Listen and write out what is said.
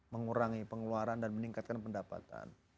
mengurangi pengeluaran dan meningkatkan pendapatan